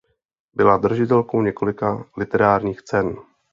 Byla držitelkou několika literárních cen.